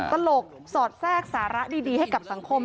ตลกสอดแทรกสาระดีให้กับสังคม